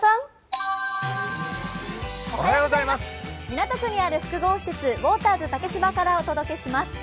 港区にある複合施設・ウォーターズ竹芝からお届けします。